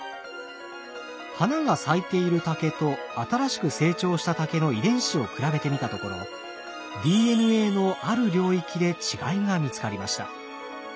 花が咲いている竹と新しく成長した竹の遺伝子を比べてみたところＤＮＡのある領域で違いが見つかりました。